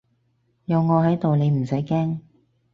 有我喺度你唔使驚